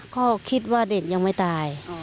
ก็คิดว่าเด็กยังไม่ตาย